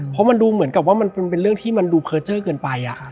เพราะมันดูเหมือนกับว่ามันเป็นเรื่องที่มันดูเพอร์เจอร์เกินไป